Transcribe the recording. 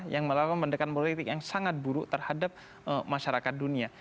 yang melakukan pendekatan politik yang sangat buruk terhadap masyarakat dunia